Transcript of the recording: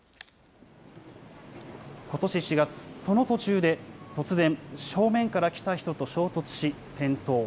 ことし４月、その途中で突然、正面から来た人と衝突し、転倒。